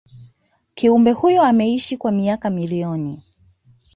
kiumbe huyo ameishi kwa miaka milioni